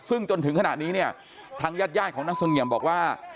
ซึ่งจนถึงขนาดนี้ทางญาติของนักสงเหยียมบอกว่า